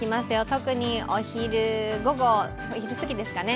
特にお昼、午後、昼すぎですかね